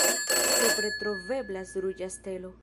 Supre troveblas ruĝa stelo.